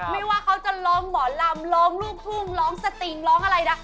ไม่ว่าเขาจะร้องหมอลำร้องลูกทุ่งร้องสติงร้องอะไรนะ